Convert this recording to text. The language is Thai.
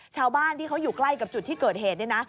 ชาวบ้านที่เขาอยู่ใกล้กับจุดที่เกิดเหตุ